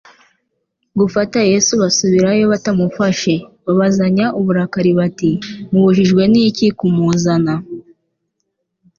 gufata Yesu basubirayo batamufashe. Bababazanya uburakari bati: «Mubujijwe n'iki kumuzana?»